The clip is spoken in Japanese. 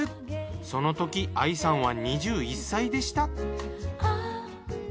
その時亜衣さんは２１歳でした。